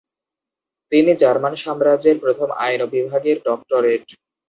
তিনি জার্মান সাম্রাজ্যের প্রথম আইন বিভাগের ডক্টরেট।